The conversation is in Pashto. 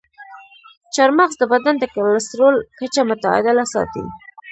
چارمغز د بدن د کلسترول کچه متعادله ساتي.